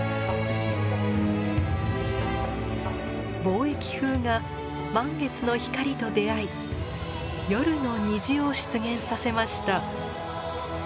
貿易風が満月の光と出合い夜の虹を出現させました。